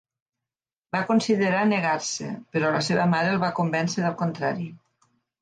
Va considerar negar-se, però la seva mare el va convèncer del contrari.